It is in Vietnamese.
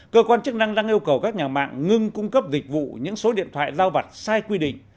cơ quan chức năng đang yêu cầu các nhà mạng ngưng cung cấp dịch vụ những số điện thoại giao vặt sai quy định